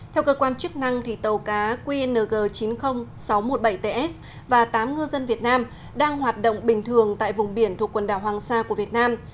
theo cơ quan chức năng tàu cá qng chín mươi nghìn sáu trăm một mươi bảy ts và tám ngư dân việt nam đang hoạt động bình thường tại vùng biển thuộc quần đảo hoàng sa của việt nam